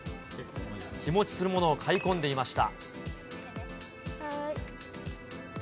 日持ちするものを買い込んでいました。